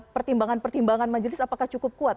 pertimbangan pertimbangan majelis apakah cukup kuat